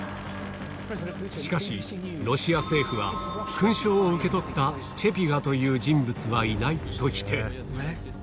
しかし、ロシア政府は、勲章を受け取ったチェピガという人物はいないと否定。